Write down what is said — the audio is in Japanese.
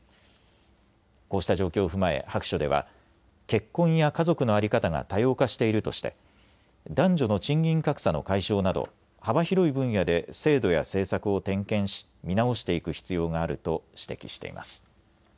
こうした状況を踏まえ白書では結婚や家族の在り方が多様化しているとして男女の賃金格差の解消など幅広い分野で制度や政策を点検し見直していく必要があると指摘しています。